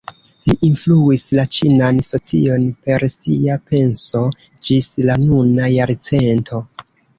Li influis la ĉinan socion per sia penso ĝis la nuna jarcento.